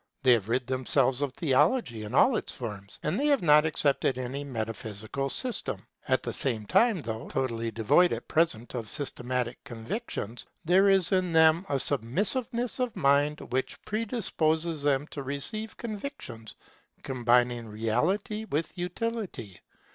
They have rid themselves of theology in all its forms, and yet have not accepted any metaphysical system. At the same time, though totally devoid at present of systematic convictions, there is in them a submissiveness of mind which predisposes them to receive convictions combining reality with utility.